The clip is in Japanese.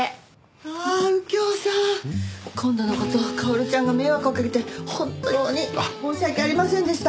ああ右京さん！今度の事薫ちゃんが迷惑をかけて本当に申し訳ありませんでした！